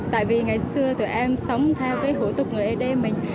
tại vì ngày xưa tụi em sống theo cái hữu tục người ad mình